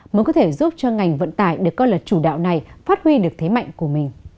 mới có thể giúp cho ngành vận tải được coi là chủ đạo này phát huy được thế mạnh của mình